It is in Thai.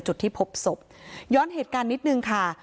จุดที่พบศพย้อนเหตุการณ์นิดนึงค่ะ